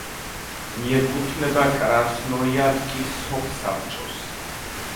მიეკუთვნება კრასნოიარსკის სოფსაბჭოს.